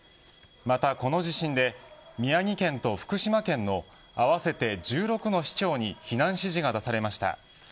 また、この地震で宮城県と福島県の合わせて１６の市町に避難指示が出されました。